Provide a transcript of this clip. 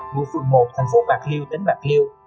ngụ phường một thành phố bạc liêu tỉnh bạc liêu